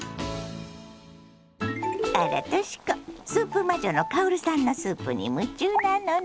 あらとし子スープ魔女の薫さんのスープに夢中なのね。